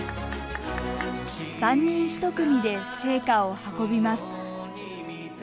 ３人１組で聖火を運びます。